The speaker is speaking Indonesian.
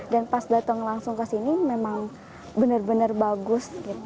dan pas datang langsung kesini memang benar benar bagus